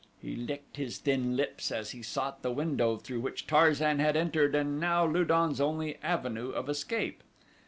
He licked his thin lips as he sought the window through which Tarzan had entered and now Lu don's only avenue of escape.